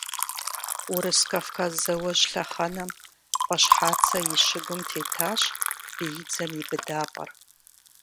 Урыс-Кавказ зауэжь лъэхъэнэм Ӏуащхьацэ и щыгум тетащ биидзэм и быдапӀэр.